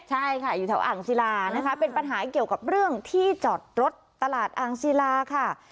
ใช่ค่ะอยู่แถวอ่างศิลานะคะเป็นปัญหาเกี่ยวกับเรื่องที่จอดรถตลาดอ่างศิลาค่ะ